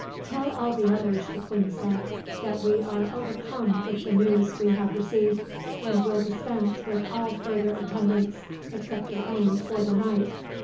"Tell all the others," the queen said, "that we are overcome with the news we have received, and will dispense with all further attendance, except your own, for the night.